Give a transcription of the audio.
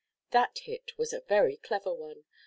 That hit was a very clever one.